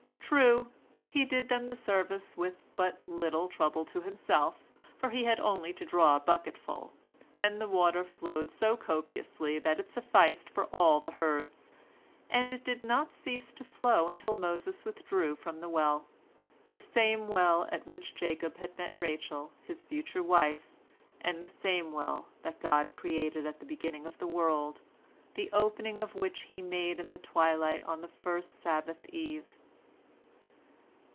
True, he did them the service with but little trouble to himself, for he had only to draw a bucketful, and the water flowed so copiously that it sufficed for all the herds, and it did not cease to flow until Moses withdrew from the well, —the same well at which Jacob had met Rachel, his future wife, and the same well that God created at the beginning of the world, the opening of which He made in the twilight of the first Sabbath eve.